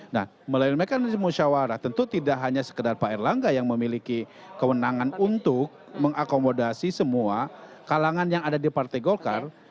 nah melalui mekanisme musyawarah tentu tidak hanya sekedar pak erlangga yang memiliki kewenangan untuk mengakomodasi semua kalangan yang ada di partai golkar